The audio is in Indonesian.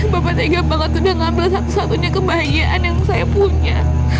bapak tega banget udah ngambil satu satunya kebahagiaan yang saya punya